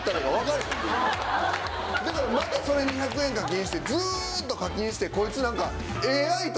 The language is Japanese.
でもまたそれに１００円課金してずっと課金してこいつ何か。